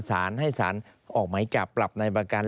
สารให้สารออกหมายจับปรับในประกัน